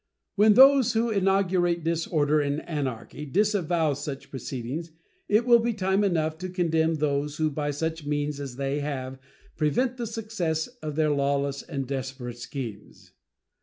When those who inaugurate disorder and anarchy disavow such proceedings, it will be time enough to condemn those who by such means as they have prevent the success of their lawless and desperate schemes.